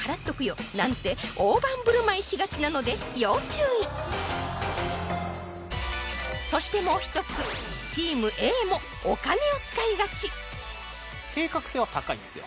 肌でしがちなので要注意そしてもう一つチームＡもお金を使いがち計画性は高いんですよ